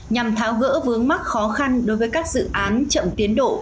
nhằm tháo gỡ vướng mắc khó khăn đối với các dự án chậm tiến độ